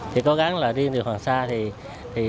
thì cố gắng là riêng điều hoàng sa thì sẽ